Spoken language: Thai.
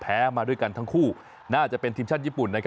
มาด้วยกันทั้งคู่น่าจะเป็นทีมชาติญี่ปุ่น